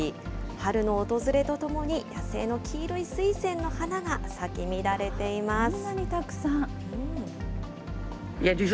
春の訪れとともに、野生の黄色い水仙の花が咲き乱れています。